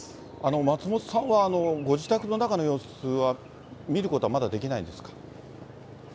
松本さんはご自宅の中の様子は見ることはまだできないんですか？